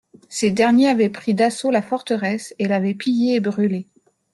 Ces derniers avaient pris d'assaut la forteresse et l'avaient pillée et brûlée.